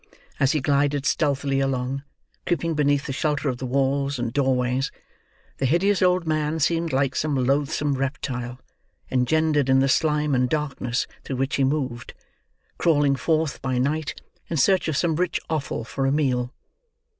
As he glided stealthily along, creeping beneath the shelter of the walls and doorways, the hideous old man seemed like some loathsome reptile, engendered in the slime and darkness through which he moved: crawling forth, by night, in search of some rich offal for a meal.